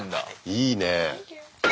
いいね。